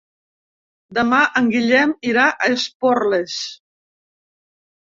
Demà en Guillem irà a Esporles.